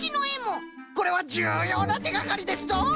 これはじゅうようなてがかりですぞ！